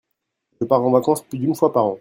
Je pars en vacances plus d'une fois par an.